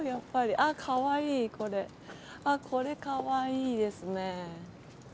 あこれかわいいですね。